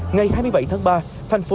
ngày hai mươi bảy tháng ba